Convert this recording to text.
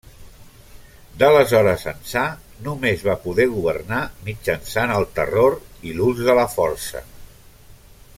D'aleshores ençà, només va poder governar mitjançant el terror i l'ús de la força.